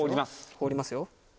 放りますよ。